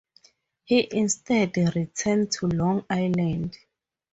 He instead returned to Long Island.